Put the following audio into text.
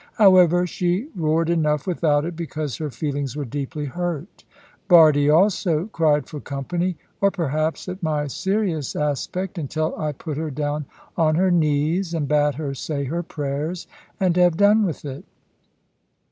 However, she roared enough without it, because her feelings were deeply hurt. Bardie also cried for company, or, perhaps, at my serious aspect, until I put her down on her knees and bade her say her prayers, and have done with it.